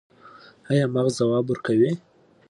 ایا مغز ځواب ورکوي؟